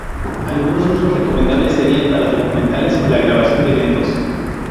Algunos usos recomendables serían para documentales o la grabación de eventos.